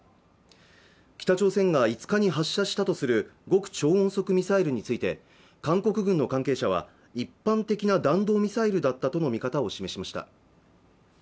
北朝鮮が５日に発射したとする極超音速ミサイルについて韓国軍の関係者は一般的な弾道ミサイルだったとの見方を示しました